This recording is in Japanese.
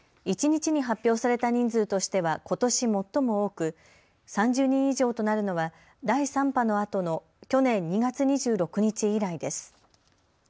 一日に発表された人数としてはことし最も多く３０人以上となるのは第３波のあとの去年２月２６日以来です。